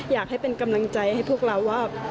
อยากให้เป็นกำลังใจให้พวกเราว่า